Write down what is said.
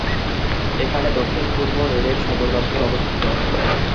এখানে দক্ষিণ-পূর্ব রেলের সদর দপ্তর অবস্থিত।